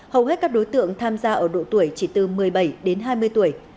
hầu hết các đối tượng tham gia ở độ tuổi chỉ từ một mươi bảy đến hai mươi tuổi